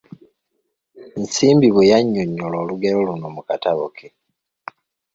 Nsimbi bwe yannyonyola olugero luno mu katabo ke.